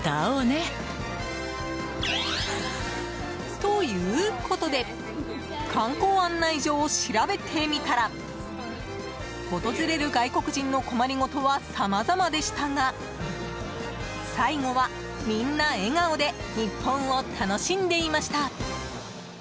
ということで観光案内所を調べてみたら訪れる外国人の困りごとはさまざまでしたが最後は、みんな笑顔で日本を楽しんでいました。